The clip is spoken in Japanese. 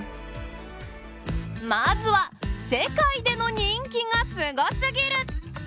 まずは、世界での人気がすごすぎる。